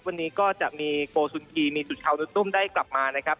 วันนี้ก็จะมีโกสุนกีมีสุชาวรุตุ้มได้กลับมานะครับ